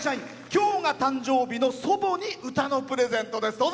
今日が誕生日の祖母に歌のプレゼントです。